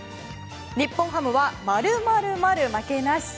日本ハムは○○〇負けなし。